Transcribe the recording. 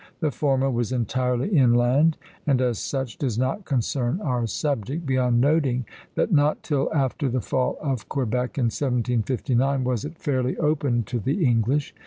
The former was entirely inland, and as such does not concern our subject, beyond noting that not till after the fall of Quebec, in 1759, was it fairly opened to the English.